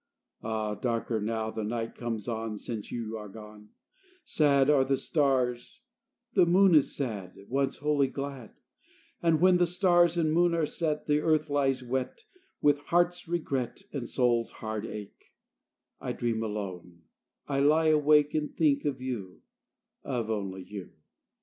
Ah! darker now the night comes on Since you are gone; Sad are the stars, the moon is sad, Once wholly glad; And when the stars and moon are set, And earth lies wet, With heart's regret and soul's hard ache, I dream alone, I lie awake, And think of you, Of only you.